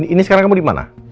ini sekarang kamu di mana